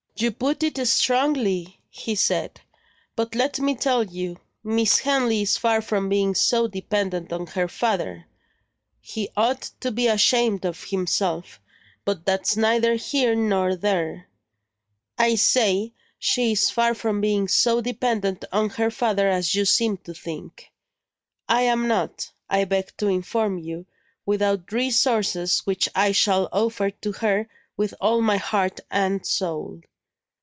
"You put it strongly," he said. "But let me tell you, Miss Henley is far from being so dependent on her father he ought to be ashamed of himself, but that's neither here nor there I say, she is far from being so dependent on her father as you seem to think. I am not, I beg to inform you, without resources which I shall offer to her with all my heart and soul.